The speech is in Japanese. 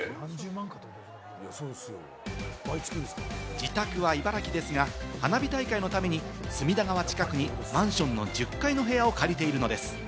自宅は茨城県ですが花火大会のために隅田川近くにマンションの１０階の部屋を借りているのです。